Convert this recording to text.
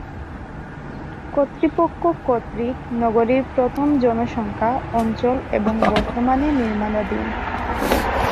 কর্তৃপক্ষ কর্তৃক নগরীর প্রথম জনসংখ্যা অঞ্চল এবং বর্তমানে নির্মাণাধীন।